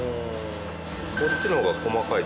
こっちの方が細かいですね。